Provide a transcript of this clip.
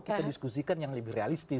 kita diskusikan yang lebih realistis